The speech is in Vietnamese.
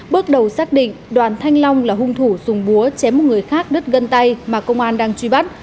bước đầu xác định đoàn thanh long là hung thủ dùng búa chém một người khác đứt gân tay mà công an đang truy bắt